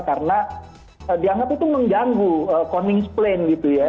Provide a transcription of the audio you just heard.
karena dianggap itu menjanggu konings plane gitu ya